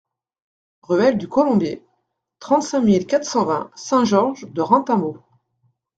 Ruelle du Colombier, trente-cinq mille quatre cent vingt Saint-Georges-de-Reintembault